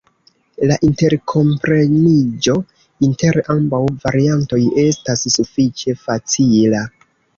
La interkompreniĝo inter ambaŭ variantoj estas sufiĉe facila.